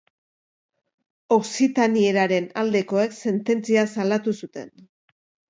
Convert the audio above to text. Okzitanieraren aldekoek sententzia salatu zuten.